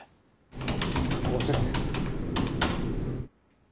１５０年。